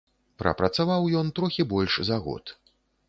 Прапрацаваў ён трохі больш за год.